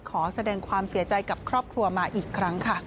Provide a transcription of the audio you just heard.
ขอแสดงความเสียใจกับครอบครัวมาอีกครั้งค่ะ